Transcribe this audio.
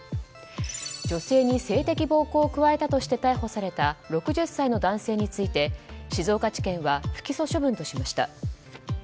女性に性的暴行を加えたとして逮捕された６０歳の男性について静岡地検は不起訴処分としました。